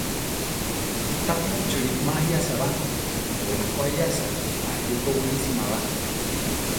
Ta múchuri má aʼyasá ba; we la ko aʼyasa, aʼlí ko wilísima ba.